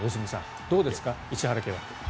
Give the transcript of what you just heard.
どうですか、石原家は。